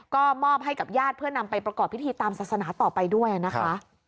ก็มอบให้กับญาติเพื่อนำไปประกอบพิธีตามศาสนาต่อไปด้วยนะคะ